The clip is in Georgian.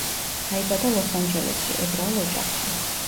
დაიბადა ლოს-ანჯელესში, ებრაულ ოჯახში.